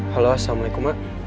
halo assalamualaikum mak